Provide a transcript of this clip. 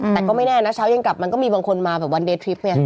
แต่ก็ไม่แน่นะเช้ายังกลับมันก็มีบางคนมาแบบวันเดทริปไง